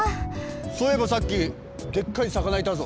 そういえばさっきでっかいさかないたぞ。